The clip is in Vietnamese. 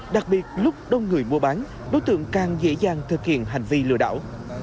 đặc biệt lúc đông người mua bán đối tượng càng dễ dàng thực hiện hành vi lừa đảo